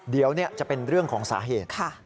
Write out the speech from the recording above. เดี๋ยวจะเป็นเรื่องของสาเหตุ